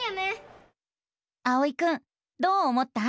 あおいくんどう思った？